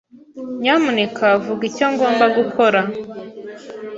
Nyamuneka vuga icyo ngomba gukora.